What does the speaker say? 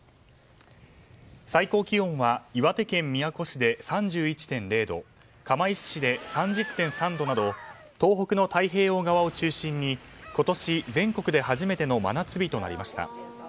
最高気温は岩手県宮古市で３１．０度釜石市で３０．３度など東北の太平洋側を中心に今年全国で初めての真夏日となりました。